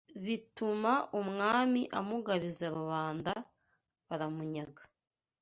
bituma umwami amugabiza rubanda baramunyaga